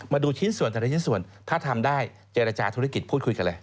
มาดูชิ้นส่วนถ้าทำได้เจรจาธุรกิจพูดคุยกันเลย